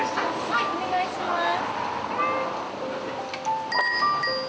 はいお願いします。